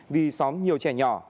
vì xóm nhiều trẻ nhỏ